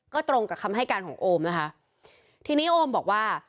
ก็ตรงกับคำให้การของโอมนะคะทีนี้โอมบอกว่า